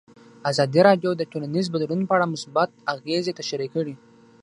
ازادي راډیو د ټولنیز بدلون په اړه مثبت اغېزې تشریح کړي.